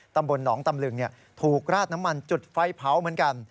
ตำบลหนองตำลึงถูกราดน้ำมันจุดไฟเผาเหมือนกัน